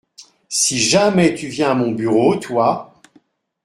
Si jamais tu viens à mon bureau, toi !…